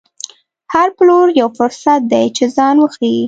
هر پلور یو فرصت دی چې ځان وښيي.